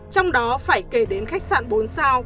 trong đó phải kể đến khách sạn bốn sao